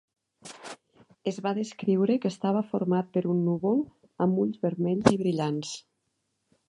Es va descriure que estava format per un núvol amb ulls vermells i brillants.